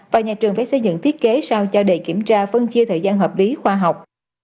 và nhà trường phải xây dựng thiết kế sao cho đề kiểm tra phân chia thời gian hợp lý khoa học